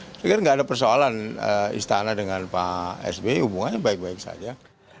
jadi kan enggak ada persoalan istana dengan pak sbi hubungannya baik baik saja